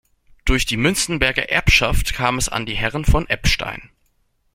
Durch die Münzenberger Erbschaft kam es an die Herren von Eppstein.